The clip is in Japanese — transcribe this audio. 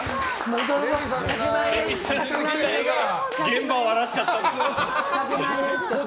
現場を荒らしちゃったの。